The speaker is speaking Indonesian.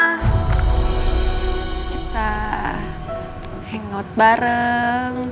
kita hangout bareng